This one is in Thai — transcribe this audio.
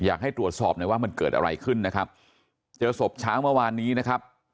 อยากให้ตรวจสอบหน่อยว่ามันเกิดอะไรขึ้นนะครับเจอศพเช้าเมื่อวานนี้นะครับ